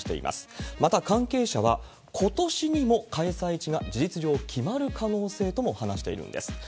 また、関係者は、ことしにも開催地が事実上決まる可能性とも話しているんです。